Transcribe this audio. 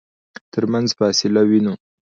ترمنځ فاصله وينو.